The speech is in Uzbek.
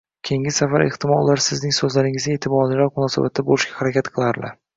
keyingi safar, ehtimol, ular sizning so‘zlaringizga e’tiborliroq munosabatda bo‘lishga harakat qilarlar.